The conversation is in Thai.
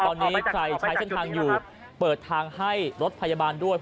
ตอนนี้ใครใช้เส้นทางอยู่เปิดทางให้รถพยาบาลด้วย